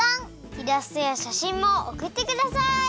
イラストやしゃしんもおくってください！